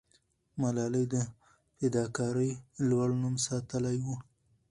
ملالۍ د فداکارۍ لوړ نوم ساتلې وو.